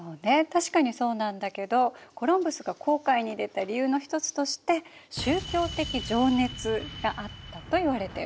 確かにそうなんだけどコロンブスが航海に出た理由の一つとして宗教的情熱があったといわれてるの。